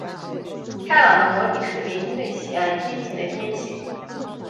开朗的模拟市民最喜爱天晴的天气。